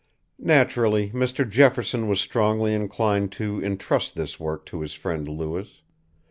Naturally, Mr. Jefferson was strongly inclined to intrust this work to his friend Lewis.